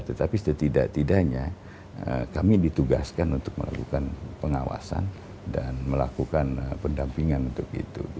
tetapi setidak tidaknya kami ditugaskan untuk melakukan pengawasan dan melakukan pendampingan untuk itu